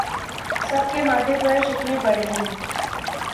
سب کے ماتھے پر شکنیں پڑ گئیں